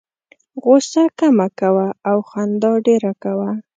غوسه کمه کوه او خندا ډېره کوه.